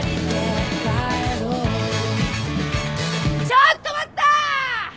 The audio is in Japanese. ・ちょっと待った！